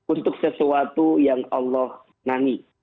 untuk sesuatu yang allah nangi